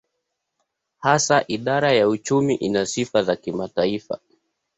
Hasa idara ya uchumi ina sifa za kimataifa.